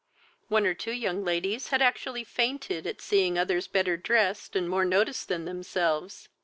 One or two young ladies had actually fainted at seeing others better dressed and more noticed than themselves.